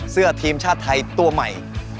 เสื้อผ้าทีมชาติไทยตัวใหม่